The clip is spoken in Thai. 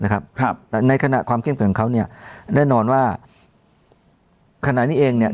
แต่ในขณะความเข้มขึ้นของเขาเนี่ยแน่นอนว่าขณะนี้เองเนี่ย